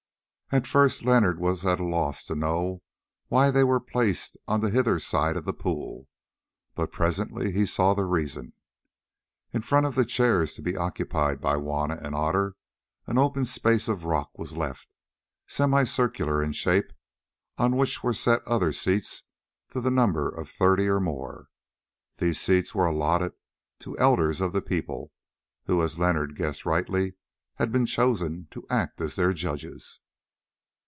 At first Leonard was at a loss to know why they were placed on the hither side of the pool, but presently he saw the reason. In front of the chairs to be occupied by Juanna and Otter, an open space of rock was left, semicircular in shape, on which were set other seats to the number of thirty or more. These seats were allotted to elders of the people, who, as Leonard guessed rightly, had been chosen to act as their judges.